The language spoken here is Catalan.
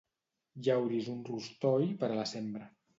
Llauris un rostoll per a la sembra.